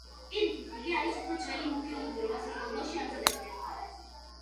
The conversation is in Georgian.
პირიქით, იგი არის უფრო ძველი მუქი ლუდი, რომელსაც ლონდონში ამზადებდნენ.